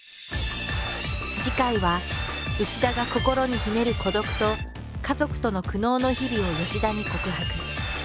次回は内田が心に秘める孤独と家族との苦悩の日々を田に告白。